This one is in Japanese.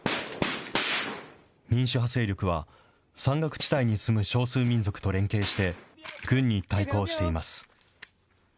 民主派勢力は、山岳地帯に住む少数民族と連携して、軍に対抗しています。